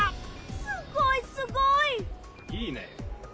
すごいすごい！いいね！